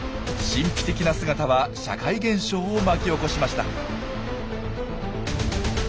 神秘的な姿は社会現象を巻き起こしました。